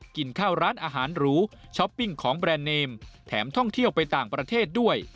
กินข้าวร้านอาหารหรูช้อปปิ้งของแบรนด์เนมแถมท่องเที่ยวไปต่างประเทศด้วย